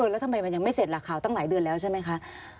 แล้วทำไมมันยังไม่เสร็จล่ะข่าวตั้งหลายเดือนแล้วใช่ไหมคะ